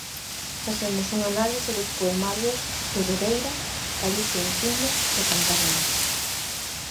Facemos unha análise dos poemarios "Bebedeira", "Galicia infinda" e "Cantarenas".